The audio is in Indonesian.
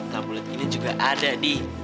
tambulat ini juga ada di